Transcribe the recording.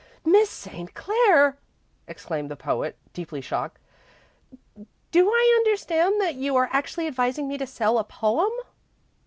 "Miss St. Clair!" exclaimed the poet, deeply shocked; "do I understand that you are actually advising me to sell a poem?"